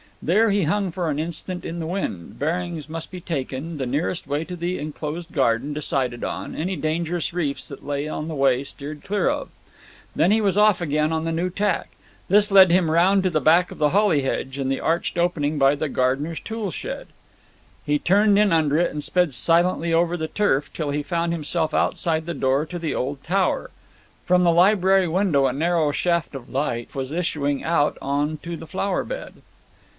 There he hung for an instant in the wind; bearings must be taken, the nearest way to the enclosed garden decided on, any dangerous reefs that lay on the way steered clear of. Then he was off again on the new tack. This led him round to the back of the holly hedge, and the arched opening by the gardeners' tool shed. He turned in under it and sped silently over the turf, till he found himself outside the door to the old tower. From the library window a narrow shaft of light was issuing out on to the flower bed.